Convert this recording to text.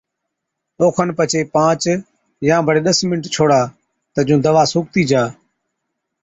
او کن پڇي پانچ يان بڙي ڏس منٽ ڇوڙا تہ جُون دَوا سُوڪتِي جا۔